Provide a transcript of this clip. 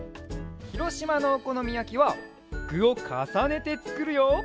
ひろしまのおこのみやきはぐをかさねてつくるよ！